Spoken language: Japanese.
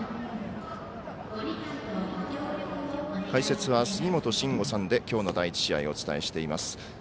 解説は杉本真吾さんできょうの第１試合お伝えしています。